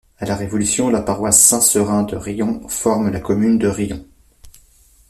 À la Révolution, la paroisse Saint-Seurin de Rions forme la commune de Rions.